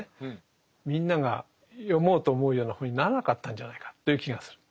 みんなが読もうと思うような本にならなかったんじゃないかという気がする。